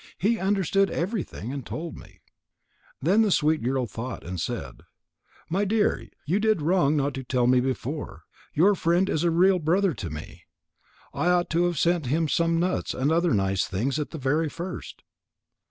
He understood everything and told me." Then the sweet girl thought, and said: "My dear, you did wrong not to tell me before. Your friend is a real brother to me. I ought to have sent him some nuts and other nice things at the very first."